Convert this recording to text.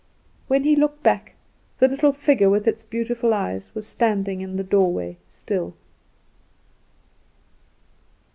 When he looked back the little figure with its beautiful eyes was standing in the doorway still.